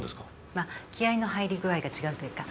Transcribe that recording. まあ気合の入り具合が違うというか。